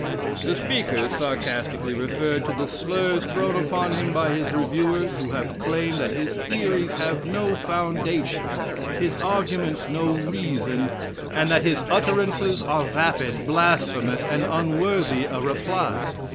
The speaker sarcastically referred to the slurs thrown upon him by his reviewers, who have claimed that his theories have no foundation, his arguments no reason, and that his utterances are vapid, blasphemous, and unworthy a reply.